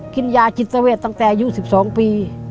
กินยาจิตเวทตั้งแต่อายุ๑๒ปี